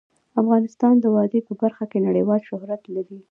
افغانستان د وادي په برخه کې نړیوال شهرت لري.